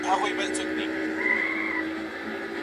اسلامي شريعت د ژوند په برخو کي څه لري؟